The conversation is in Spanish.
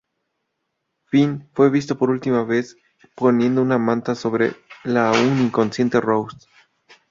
Finn fue visto por última vez poniendo una manta sobre la aún inconsciente Rose.